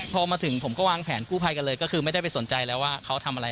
พอมาถึงผมก็วางแผนกู้ภัยกันเลยก็คือไม่ได้ไปสนใจแล้วว่าเขาทำอะไร